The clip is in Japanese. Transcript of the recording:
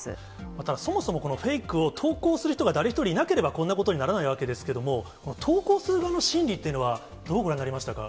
また、そもそも、このフェイクを投稿する人が誰一人いなければ、こんなことにならないわけですけれども、投稿する側の心理っていうのはどうご覧になりました